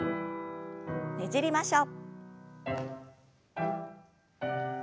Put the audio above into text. ねじりましょう。